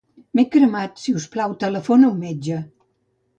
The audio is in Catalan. M'he cremat; si us plau, telefona un metge.